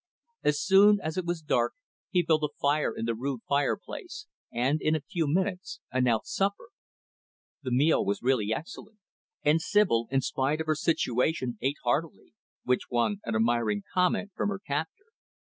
As soon as it was dark, he built a fire in the rude fire place, and, in a few minutes, announced supper. The meal was really excellent; and Sibyl, in spite of her situation, ate heartily; which won an admiring comment from her captor.